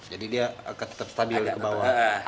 jadi dia tetap stabil ke bawah